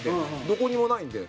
どこにもないんで。